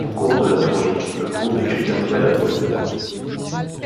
Au cours de la tournée, le groupe écrit un nouvel album.